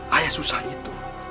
ayah susah itu